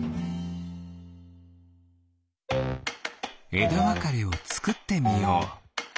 えだわかれをつくってみよう。